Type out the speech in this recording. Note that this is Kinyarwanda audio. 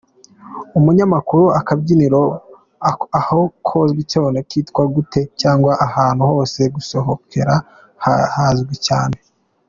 Umunyamakuru: Akabyiniro aho kazwi cyane kitwa gute cyangwa ahantu ho gusohokera hazwi cyane?.